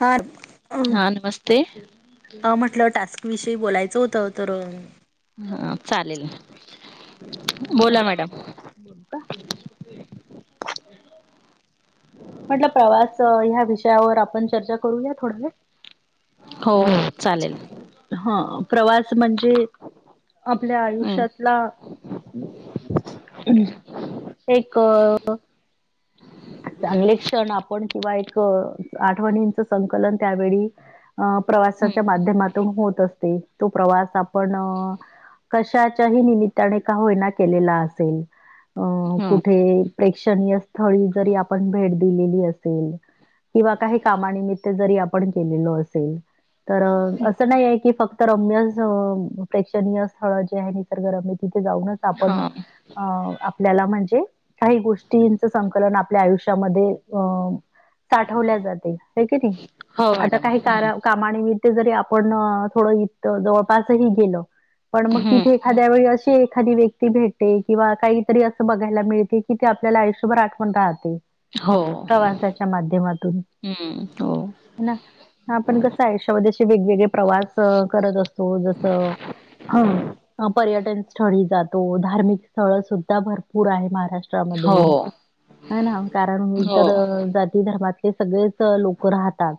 हाथ हा नमस्ते [inaudible] अ म्हटलं टास्क विषयी बोलायचं होतं तर हा चालेल. ह् बोला मॅडम बोलू का? म्हटलं प्रवास ह्या विषयावर आपण चर्चा करूया थोडा वेळ? हो हो चालेल. हा प्रवास म्हणजे आपल्या हम्म आयुष्यातला [inaudible] एक चांगले क्षण आपण किंवा एक आठवणींच संकलन त्यावेळी अ हम्म प्रवासाच्या माध्यमातून होत असते तो प्रवास आपण कशाच्याही निमित्ताने का होईना केलेला असेल. अं हम्म कुठे प्रेक्षणीय स्थळी जरी आपण भेट दिलेली असेल किंवा काही कामानिमित्त जरी आपण केलेलो असेल तर असं नाही आहे की फक्त रम्य प्रेक्षणीय स्थळ जे आहे निसर्गरम्य तिथे जाऊनच हा आपण अ आपल्याला म्हणजे काही गोष्टींच संकलन आपल्या आयुष्यामध्ये अ साठवल्या जाते क हो आता मॅडम काही कार हम्म कानित ज आपण ड जवप गे पण मग हम्म तिथे एखाद्या वेळी अशी एखादी व्यक्ती भेटते किंवा काहीतरी असं बघायला मिळते की ते आपल्याला आयुष्यभर आठवण राहात हो प्रवासाच्या माध्यमातून हम्म हो ना आपण कसं आयुष्यामध्ये असे वेगवेगळे प्रवास करत असतो जसं ह पर्यटन स्थळी जातो धार्मिक स्थळ सुद्धा भरपूर आहे महाराष्ट्र हो ामध्येमध्ये नाही ना कारण मी हो तर जाती धर्मातले सगळेच लोक राहतात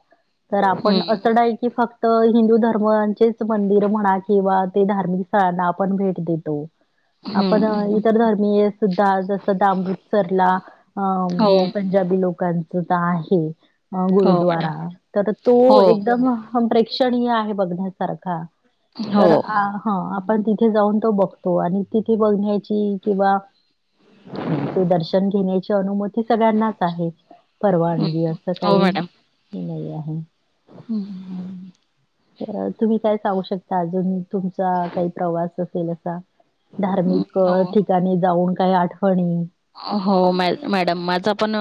तर आपण हम्म अचड आहे की फक्त तर हिंदू धर्मचेच मंदिर म्हणा किंवा ते धार्मिक स्थळांना आपण भेट देतो आपण हम्म इतर धर्मीय सुद्धा जसं दामृतसरला अ हो पंजाबी लोकांच तर आहे हो मॅडम गुरुद्वारा तर तो हो एकदम प्रेक्षणीय आहे बघण्यासारखा हो तर हा आपण तिथे जाऊन तो बघतो आणि तिथे बघण्याची किंवा ह ते दर्शन घेणे अनुमती सगळ्यांनाच आहे हम्म परवानगी असं हो काही मॅडम म आहे हम्म तर तुम्ही काय सांगू शकता अजून तुमचा काही प्रवास असेल असा हम्म धार्मिक हो ठिकाणी जाऊन काही आठवणी हो मॅ मॅडम माझा पण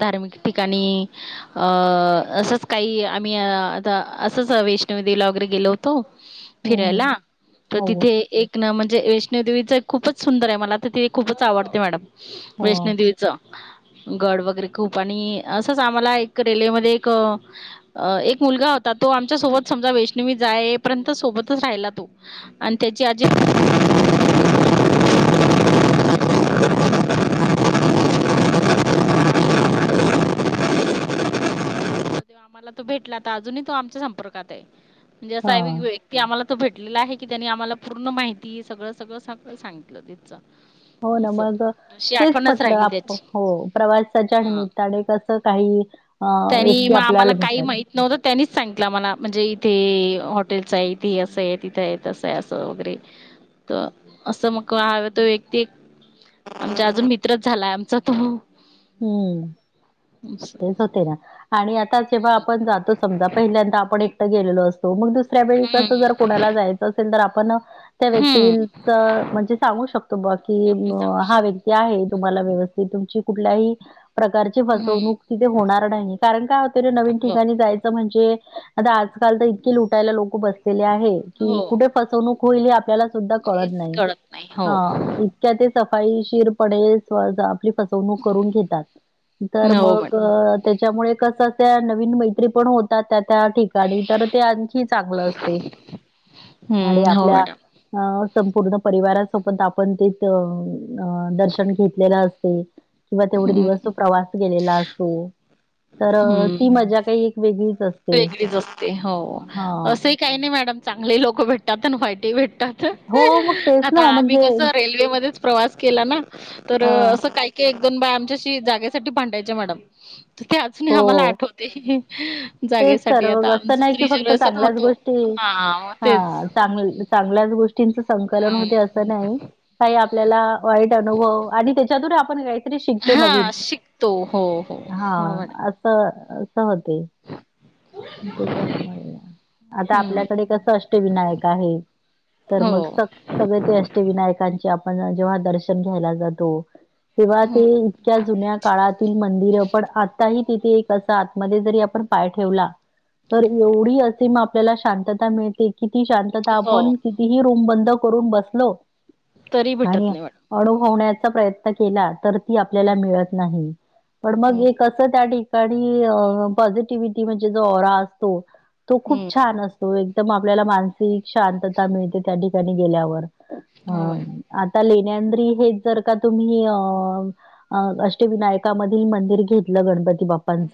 धार्मिक ठिकाणी अ असंच काही आम्ही आता असंच वैष्णवी देेवीला वगैरे गेलो होतो ह फिरायला तर तिथे एक म्हणजे वै्णूदेवीच खूपच सुंदर आहे मला तर ते खूपच आवडते मॅडम हो वैष्णूदवीच गड वगैरे खूप आणि असंच आम्हाला एक रेल्वेमध्ये एक अ एक मुलगा होता तो आमच्या सोबत समजा वैष्णवी जायपर्यंत सोबतच राहिला तो आणि त्याची आजी [inaudible] [inaudible] देव आम्हाला तो भेटला आता अजूनही तो आमच्या संपर्कात आहे म्हणजे हा असा ते आम्हाला तर भेटलेलं आहे की त्यांनी आम्हाला पूर्ण माहिती सगळं सगळं सगळं सांगितलं ते जा [inaudible] हो न मग [inaudible] तेच म्हटलं आप त्याची हो प्रवासाच्या हा निमित्ताने कसं काही अ व्यक्ती आपल्याला भेटतात नव्हत त्यांनीच सांगितलं मला म्हणजे इथे हॉटेल्स आहे इथे असं आहे तिथे आहेत असं आहे असं वगैरे तर असं मग हव तो व्यक्ती आमचा अजून मित्रच झालाय आमचा तो हम्म असं. तेच होते ना आणि आता जेव्हा हम्म आपण जातो समजा पहिल्यांदा आपण एकट गेलेलो असतो मग दुस दुसऱ्या वेळी हम्म कस जर कोुणाला जायचं असेल तर आपण त्या व्यक्ती हम्म म्हणजे सांगू शकतो बा की आपण सांगू शक हा व्यक्ती आहे तुम्हाला व्यवस्थित तुमची कुठल्याही प्रकारची हम्म फसवणूक तिथे होणार नाही कारण काय हो नवीन ठिकाणी म्हणजे आ आजकाल तर इते लुटायला लोक बसलेले आहे की हो. कुठे फसवणूक होईल आपल्याला सुद्धा कळत हेच नाही नाही ह हो ते सफाईशीरपणे आपली फसवणूक करून घेतात तर हो मग मॅडम अ त्याच्यामुळे कस अस नवीन मैत्री पण होतात त्या त्या ठिकाणी तर ते आणखी चांगलं असते आणि हम्म हो आपल्या मॅडम अ संपूर्ण परिवारासोबत आपण ते दर्शन घेतलेलं असते किंवा तेवढे हम्म दिवस प्रवास गेलेला असतो तर हम्म ती मजा काही वेगळीच असते वेगळीच असते हो हां. असंही काही नाही मॅडम चांगले लोक भेटतात आणि व्हाईटही भेटतात हो, मग तेच आता ना आम्ही म्हणजे कस रेल्वेमध्येध्येच प्रवास केला ना तर हां, असं काही एक दोन बाय आमच्याशी जागेसाठी भांडायचे मॅडम तर ते अजून आम्हाला हो. आठवते तेच जागेसाठी तर आता मग असं आमचच नाही की फक्त रिजर्वेसन होतो हा तेच चांग चांगल्याच गोष्टींच संकलन होते हम्म अस नाही काही आपल्याला वाईट अनुभव आणि त्याच्यातून आपणयच री शिकतो नवीन हा शिकतो हो हो हा हो मॅडम असं अस होते त्याच्यामुळे आता हम्म आपल्याकडे कसं अष्टविनायक आहे तर हो मग सक् सग ते अष्टविनायकांचे आपण जेव्हा दर्शन घ्यायला जातो तेव्हा ते हम्म इतक्या जुन्या काळातील मंदिर पण आताही तिथे एक असं आतमध्येध्ये जरी आपण पाय ठेवला तर एवढी असे म आपल्याला शांतता मिळते की ती शांतता हो आपण कितीही रूम बंद करून बसलो तरी भेटत आणि नाही वाट अनुभवण्याचा प्रयत्न केला तर आप मित नाही पण म हम्म त्या ठिका ि्ही म्हणजे जो ओरा असतो तो खूप हम्म. छान असतो तो एकदम आपल्याला मानसिक शांतता मिळते त्या ठिकाणी गेल्यावर हो मॅम. अ आता लेण्यांद्री हे जर का तुम्ही अ अष्टविनायक ध मंदिर घेतलं गणपती बाप्पांच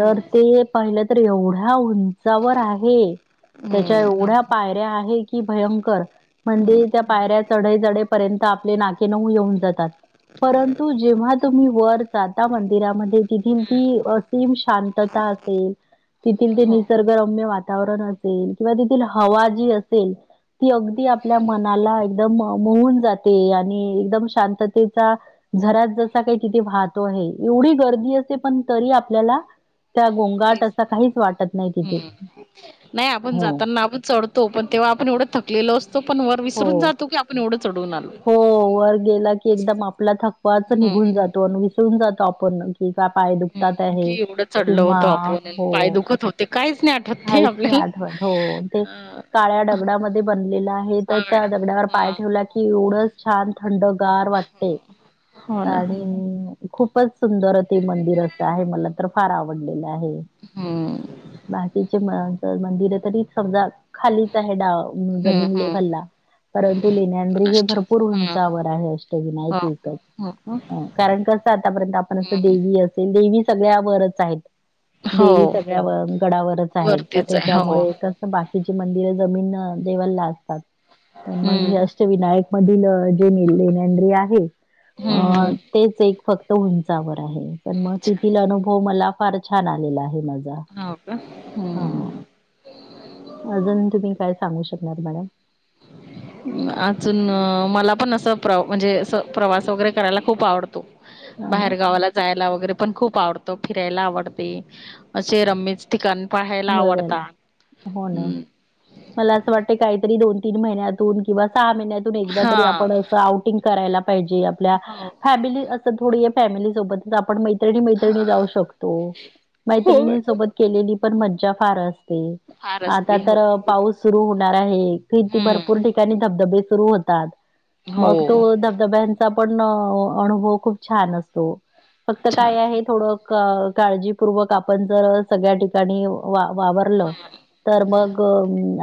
तर पहिलं तर एवढ्या उंचावर आहे त्याच्या हम्म एवढ्या पायऱ्या आहे की भयंकर म्हणजे हम्म. त्या पायऱ्या चढ चढ पर्यंत आपले ना परु जेव्हा तुम्ही वर जा मिमध्ये तथ तीअसीम शांतता असेल तथ ते हो निसर्ग रम्य वातावरण असेल किंवा तेथील हवा जी असेल ती अगदी आपल्या मनाला एकदम मोऊून जाते आणि एकदम शांततेचा जरात जसा काही तिथे वाहतो आहे एवढी गर्दी असते पण तरी आपल्याला त्या गो हम् नाही आपण हो. जाताना आपण चढत तो पण तेव्हा आपण एवढं थकलो असतो पण वर हो. विसरून जातो की आपण एवढं चढून आलो हो वर गेला की एकदम आपला थकवाच हम्म निघून जातो आणि विसरून जातो आपण कि का पाय दुखतात हम्म. आहे कि एवढं चढलो किंवा होतो आपण हो पाय दुखत होते काहीच नाही आठवत काहीच नाही आपल्याला. आठवत हो ते अ काळ्या दडगडामध्ये बनलेला आहे तर हा त्या मॅडम. दगड्यावर पाय हा ठेवला क एवढंच छान थंडगार वाटते हो ना आणि खूपच सुंदर ते मंदिर असं आहे मला तर फार आवडलेलं आहे हम्म बाकीचे मंदिर आहे तरी समजा खालीच आहे डा हम्म जमीन हम्म. हल्ला परंतु लेण्या हे पुनष्ट भरपूर हम्म उंचावर आहे अष्टविनायक हो. एकच हं. कारण कसं आतापर्यंत आपण असं हम्म देवी असेल देवी सगळ्यावररच आहेत हो देवी सगळ्या गडावरच आहेत तर वरतीच आहे हो. त्याच्यामुळे बाकीची मंदिर जमीन देवा असतात प म हम्म विनायक मधील जे लेण्याद्री आहे अ हम्म तेच एक फक्त उंचावर आहे पण हम्म मग अच्छा तेथील अनुभव मला फार छान आलेला आहे माझा हो का हम्म अजून तुम्ही काय सांगू शकणार मॅडम [inaudible] अजून मला पण असं प्र म्हणजे प्रवास वगैरे करायला खूप आवडतो ह ना बाहेरगावाला जायला वगैरे पण खूप आवडतो फिरायला आवडते असे रममी ठिकाण पाहायला बघायला आवडतात हो ना हम्म मला असं वाटते काहीतरी दोन तीन महिन्यातून किंवा सहा महिन्यातून एकदा हा तरी आपण अस हो क मैत्रिणी हा मैत्रिणी जाऊ शकतो हो मैत्रिणी सोबत केलेली पण मज्जा फार असते फार आता असते हो तर पाऊस सुरु होणार आहे की ती भरपूर हम्म ठ धबधबे सुरू होतात हो मग तो धबध पण अनुभव खूप छान असतो फक्त अच्छा काय आहे थोड काळजीपूर्वक आपण जर सगळ्या ठिकाणी वा वावरलं तर मग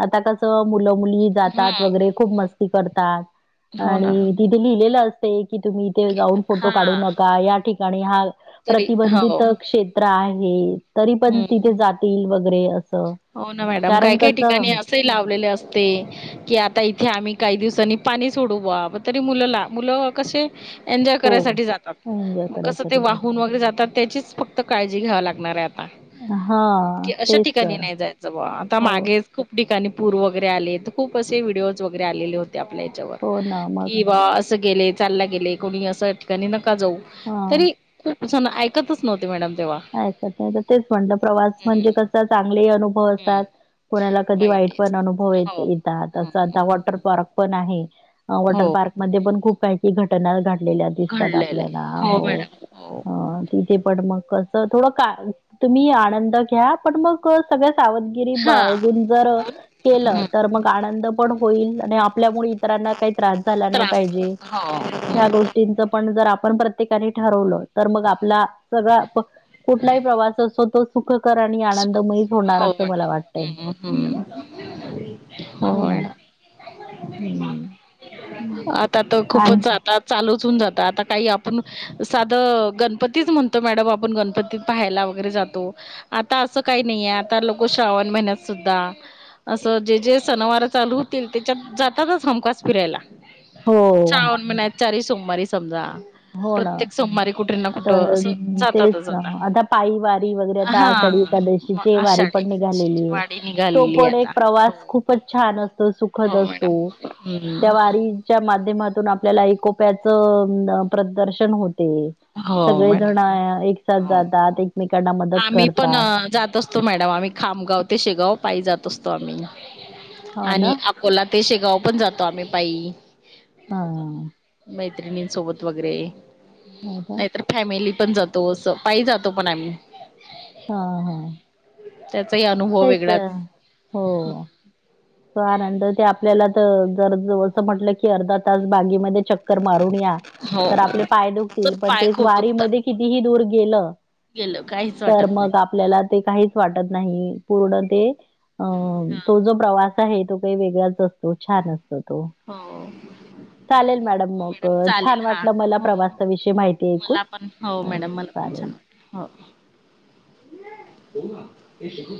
आता कस मुलं मुली जातात हम्म वगैरे खूप मस् करतात हो ना आणि तिथे लिहिलेलं असते की तुम्ही ते की- जाऊन फोटो हा काढू नका या ठिकाणी हा तरी हो प्रतिबंधित क्षेत्र आहे तरी पण हम्म तिथे जातील वगैरे अस हो ना मॅडम काय काय ठिकाणी अस लावलेले असते की आता इथे आम्ही काही दिवसांनी पाणी सोडू बा तरी मुलंला मुलं कसे एन्जॉय हो, करायसाठी जातात एन्जॉय मग कसं ते करायसाठी जातात. वाहून वगैरे जातात त्याचीच फक्त काळजी घ्याव लागणार आहेत हा तेच तर नाही जायचं ब आता हो, मागेच खूप ठिकाणी पूर वगैरे आले खूप असे व्हिडिओज वगैरे आलेले होते आपल्या याच्यावर हो ना मग. कि बा असं गेले चालला गेले कोणी अस नका जाऊ हां, तरी खूप ऐकतच नव्हते मॅडम तेव्हा ऐकत तेच म्हणत प्रवास म्हणजे हम्म कस चांगली अनु हम्म. असात कोणाला कधी वाईट वाईटच पण अनुभव हो येतात अस हं आता हं वॉटर पार्क पण आहे वॉटर हो पार्क म पण खूप काही घटना घ दिसतात घडलेलं आहे आपल्याला हो मॅडम हो तिथे पण मग कस थोड का तुम्ही आनंद घ्या पण मग सगळ्याव री हा बाळगून जर केलं हं तर मग आनंद पण होईल आणि आपल्यामुळे काही त्रास झाला नाही त्रास पाहिजे हो ह हं. गोष्टी च पण जर आपण प्रत्येकाने ठरवलं तर मग आपला सगळ फक्त. कुठलाही प्रवास असो तो सुखकर आणि चुक आनंदमयी होणार हो असं मला मॅडम वाटतय हं हं. हो हम्म आता तर आणि खूपच आता चालूचन जात आता काही आपण साधं गणपतीच म्हणतो मॅडम आपण गणपतीत पाहायला वगैरे जातो. आता असं काही नाहीये आता लोक श्रावण महिन्यात सुद्धा. असं जे जे सनवार चालू त्याच्यात जातातच हमखास फिरायला हो. श्रावण महिन्यात चारी सोमवारी समजा हो ना. प्रत्येक सोमवारी कुठे ना कुठं असं जातात जाता पाइ वारी वगरे आाढ मग एकादशीची वारी आषाढी पण निघालेली आहे वाडी तो निघालेली पण एक आता हो प्रवास खूप खूपच छान असतो सुखद हो मॅडम असतो. त्या हम्म वारी च्या माध्यमातून आपल्याला इकोप्याच प्रदर्शन होते. हो सगळे जण मॅडम एक साथ हो जातात. एकमेकांना मदत आम्ही पण करतात जातो. मॅडम आम्ही खामगाव ते शेगाव पाहि जात असतो आम्ही हो ना आणि. कोओला तेशेगाव पण जातो आम्ही पाय हा मैत्रिणींसोबत वगैरे हो का नाहीतर फॅमिली पण जातो अस पाय जातो पण आम्ही हा हा त्याचाही अनुभव कायच वेगळाच हो. नंतर ते आपल्याला तर जर असं म्हटलं की अर्धा तास बागीमध्ये च मारून या हो तर आपले पाय तर दुखतील पण पाय ते खूप वारी म दुखतात कितीही दूर गेलं. गेलं काहीच तर वाटत मग नाही आपल्याला ते काहीच वाटत नाही पूर्ण ते अ हा तो जो प्रवास आहे तो काही वेगळाच असतो छान असतो तो. हो. चालेल मॅडम हो मग चालेल छान हा वाटलं मला हो हो प्रवासाविषयी माहिती ऐकून. मला पण हो मॅडम मला पण चालेल. छान वाट हो